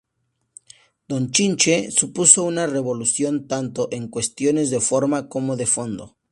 Don Chinche supuso una revolución tanto en cuestiones de forma como de fondo.